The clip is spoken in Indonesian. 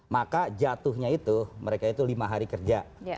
maka jatuhnya itu mereka itu lima hari kerja